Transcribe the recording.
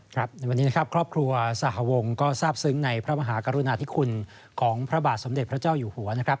ครับในวันนี้นะครับครอบครัวสหวงก็ทราบซึ้งในพระมหากรุณาธิคุณของพระบาทสมเด็จพระเจ้าอยู่หัวนะครับ